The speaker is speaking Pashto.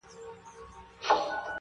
د چاپېریال خیال یې وکړ